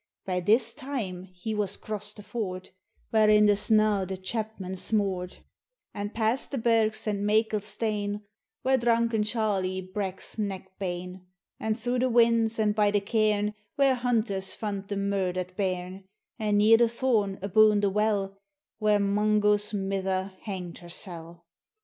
By this time he was cross the ford, Whare in the snaw the chapman smoored ; And past the birks and meikle stane, Whare drunken Charlie brak 's neck bane ; And through the whins, and by the cairn, Whare hunters fand the murdered bairn ; And near the thorn, aboon the well, Whare Mungo's mither hanged hersel'.